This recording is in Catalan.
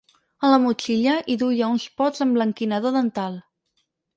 A la motxilla, hi duia uns pots d’emblanquinador dental.